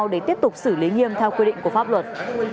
để tiếp tục xử lý nghiêm theo quy định của pháp luật